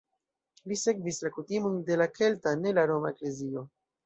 Li sekvis la kutimojn de la kelta, ne la roma, eklezio.